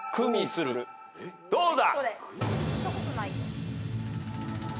どうだ！？